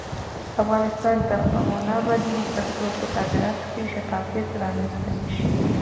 افغانستان تر هغو نه ابادیږي، ترڅو په صادراتو کې شفافیت رامنځته نشي.